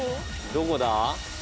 どこだ？